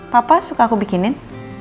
papa suka aku bikinin